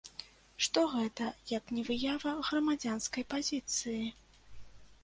Што гэта, як не выява грамадзянскай пазіцыі?